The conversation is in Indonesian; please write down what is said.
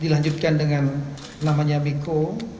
dilanjutkan dengan namanya miko